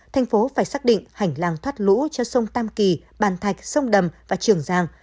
thành phố phải xác định hành lang thoát lũ cho sông tam kỳ bàn thạch sông đầm và trường giang